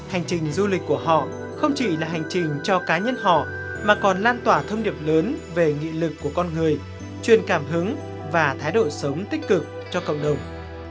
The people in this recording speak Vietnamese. hành trình du lịch của họ không chỉ là hành trình cho cá nhân họ mà còn lan tỏa thông điệp lớn về nghị lực của con người chuyên cảm hứng và thái độ sống tích cực cho cộng đồng